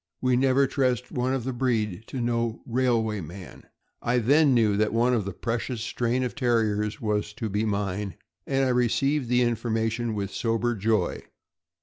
We never trust one of the breed to no railway man." I then knew that one of a precious strain of Terriers was to be mine, and I received the information with sober joy.